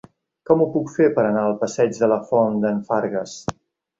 Com ho puc fer per anar al passeig de la Font d'en Fargues?